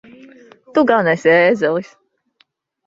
Tu gan esi ēzelis!